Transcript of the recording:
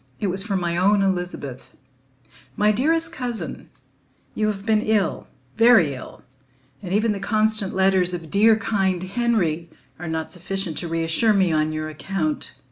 It was from my own Elizabeth: "My dearest Cousin, "You have been ill, very ill, and even the constant letters of dear kind Henry are not sufficient to reassure me on your account.